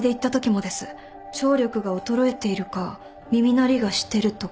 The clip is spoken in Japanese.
聴力が衰えているか耳鳴りがしてるとか。